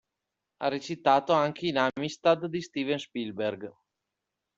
Ha recitato anche in "Amistad" di "Steven Spielberg".